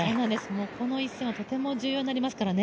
この一戦はとても重要になりますからね。